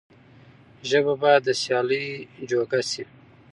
ژبه بايد د سيالۍ جوګه شي.